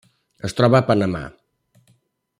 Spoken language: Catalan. Es troba a Panamà.